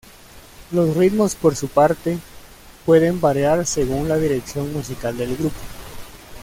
Los ritmos, por su parte, pueden variar según la dirección musical del grupo.